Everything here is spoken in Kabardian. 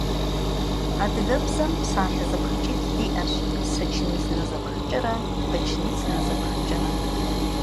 Адыгэбзэм псалъэ зэпхыкӏитӏ диӏэщ: сочинительнэ зэпхыкӏэрэ подчинительнэ зэпхыкӏэрэ.